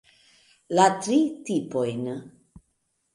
La tri tipojn.